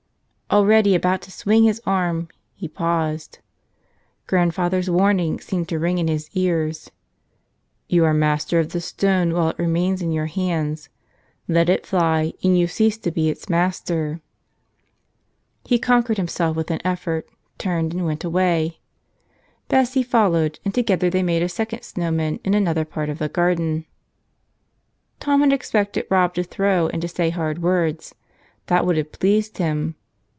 Already about to swing his arm, he paused. Grandfather's warning seemed to ring in his ears: "You are master of the stone while it remains in your hands ; let it fly and you cease to be its master !" He conquered himself with an effort, turned and went away. Bessie followed, and together they made a second snow man in another part of the garden. Tom had expected Rob to throw and to say hard words. That would have pleased him.